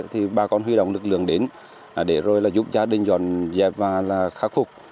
thì ba con huy động lực lượng đến để rồi giúp gia đình dọn dẹp và khắc phục